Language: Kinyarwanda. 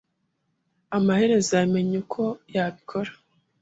Amaherezo, yamenye uko yabikora